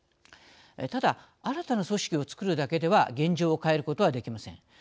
ただ、新たな組織を作るだけでは現状を変えることはできません。